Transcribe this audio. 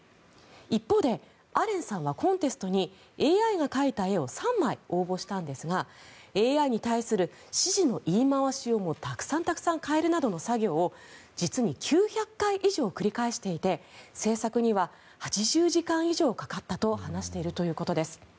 一方で、アレンさんはコンテストにＡＩが描いた絵を３枚応募したんですがＡＩに対する指示の言い回しをたくさん変えるなどの作業を実に９００回以上繰り返していて制作には８０時間以上かかったと話しているということです。